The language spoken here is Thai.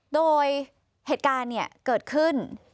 โดยเหตุการณ์เกิดขึ้น